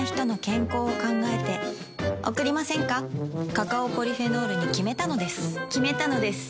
カカオポリフェノールに決めたのです決めたのです。